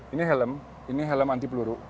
ini helm ini helm anti peluru